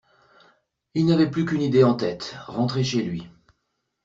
Il n’avait plus qu’une idée en tête: rentrer chez lui.